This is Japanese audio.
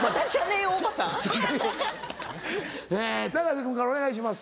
え永瀬君からお願いします。